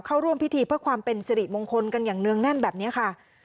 เข้าร่วมพิธีเพื่อความเป็นสิริมงคลกันอย่างเนื่องแน่นแบบนี้ค่ะ